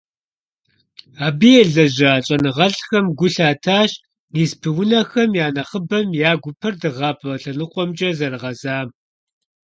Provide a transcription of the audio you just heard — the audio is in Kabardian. Абы елэжьа щIэныгъэлIхэм гу лъатащ испы унэхэм я нэхъыбэм я гупэр дыгъапIэ лъэныкъуэмкIэ зэрыгъэзам.